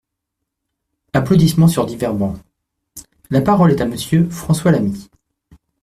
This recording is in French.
(Applaudissements sur divers bancs.) La parole est à Monsieur François Lamy.